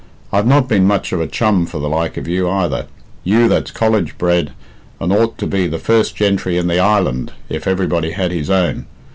I've not been much of a chum for the like of you, either you that's college bred and ought to be the first gentry in the island if everybody had his own.